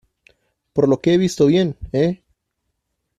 por lo que he visto bien, ¿ eh?